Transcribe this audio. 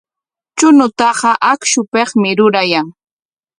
Chuñutaqa akshupikmi rurayan.